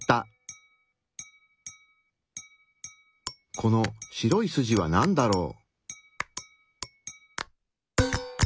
この白い筋はなんだろう？